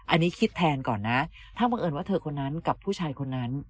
อันนี้คิดแทนก่อนนะถ้าบังเอิญว่าเธอคนนั้นกับผู้ชายคนนั้น